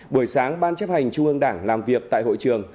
buổi sáng ban chấp hành trung ương đảng làm việc tại hội trường